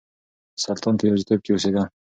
سلطان په يوازيتوب کې اوسېده.